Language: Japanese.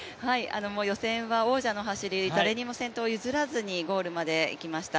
もう予選は王者の走り、誰にも先頭を譲らずにゴールまで行きました。